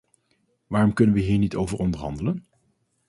Waarom kunnen we hier niet over onderhandelen?